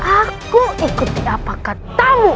aku ikuti apakah tamu